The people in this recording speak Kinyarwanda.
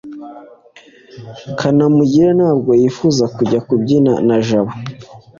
kanamugire ntabwo yifuza kujya kubyina na jabo